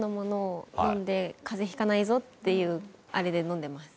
風邪ひかないぞっていうあれで飲んでます。